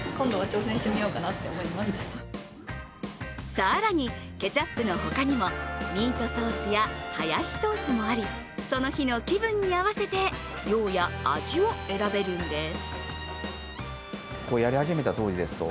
更に、ケチャップの他にもミートソースやハヤシソースもあり、その日の気分に合わせて量や味を選べるんです。